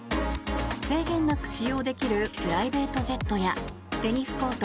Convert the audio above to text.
制限なく使用できるプライベートジェットやテニスコート